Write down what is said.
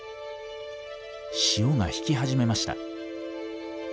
潮が引き始めました。